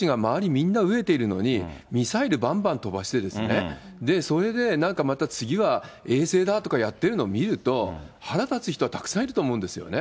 みんな飢えているのに、ミサイルばんばん飛ばしてですね、それでなんかまた次は衛星だとかやってるのを見ると、腹立つ人はたくさんいると思うんですよね。